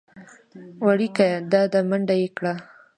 وېړکيه دا ده منډه يې کړه .